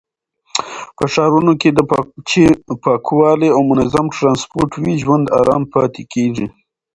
په ښارونو کې چې پاکوالی او منظم ټرانسپورټ وي، ژوند آرام پاتې کېږي.